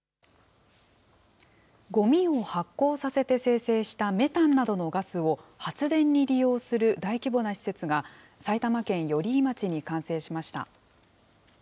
ごみを発酵させて生成したメタンなどのガスを発電に利用する大規模な施設が、埼玉県寄居町に完成しました。